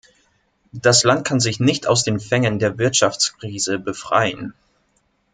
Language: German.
Das Land kann sich nicht aus den Fängen der Wirtschaftskrise befreien.